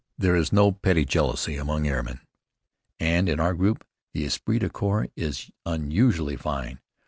There is no petty jealousy among airmen, and in our group the esprit de corps is unusually fine.